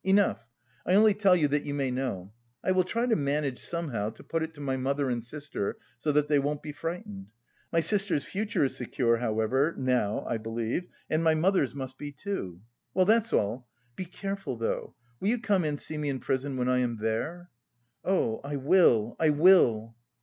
Enough.... I only tell you that you may know.... I will try to manage somehow to put it to my mother and sister so that they won't be frightened.... My sister's future is secure, however, now, I believe... and my mother's must be too.... Well, that's all. Be careful, though. Will you come and see me in prison when I am there?" "Oh, I will, I will."